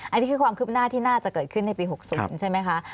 อันนี้คือความคืบหน้าที่น่าจะเกิดขึ้นในปี๖๐ใช่ไหมคะ